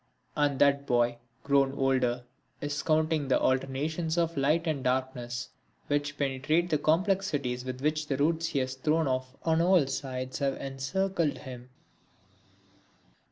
And that boy, grown older, is counting the alternations of light and darkness which penetrate the complexities with which the roots he has thrown off on all sides have encircled him.